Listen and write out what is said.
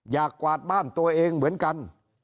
กวาดบ้านตัวเองเหมือนกัน